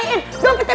betul mantap betul